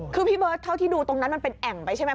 คือพี่เบิร์ตเท่าที่ดูตรงนั้นมันเป็นแอ่งไปใช่ไหม